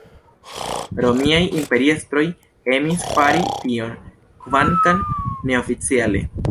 Romiaj imperiestroj emis fari tion, kvankam neoficiale.